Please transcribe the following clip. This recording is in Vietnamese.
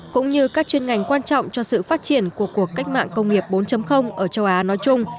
cũng như các chuyên ngành quan trọng cho sự phát triển của cuộc cách mạng công nghiệp bốn ở châu á nói chung